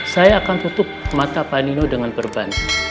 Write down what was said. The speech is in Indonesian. saya akan tutup mata pak nino dengan berbantu